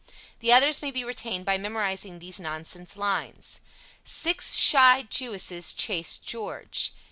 The others may be retained by memorizing these nonsense lines: Six shy Jewesses chase George.